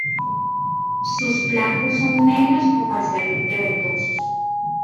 Sus flancos son negros o parcialmente verdosos.